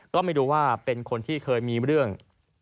ต้องไปดูว่าเป็นคนที่เคยมีเรื่อง